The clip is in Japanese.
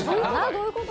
どういうこと？